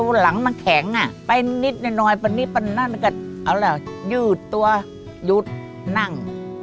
เอ้วหลังมันแข็งอ่ะไปนิดนิดหน่อยปะนิดปะนั่นก็เอาแล้วยืดตัวยืดนั่ง